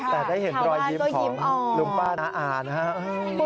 แต่ได้เห็นรอยยิ้มของลูกบ้านน้าอานะฮะ